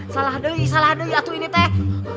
salah doi salah doi atu ini teh